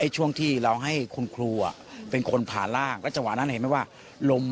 ช่วงที่เราให้คุณครูเป็นคนผ่านร่าง